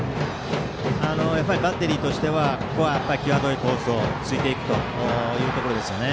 バッテリーとして際どいコースを突いていくということですね。